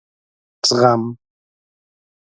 زغم ....